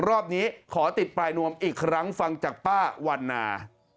รอบนี้ขอติดปลายนวมอีกครั้งฟังจากป้าวันนา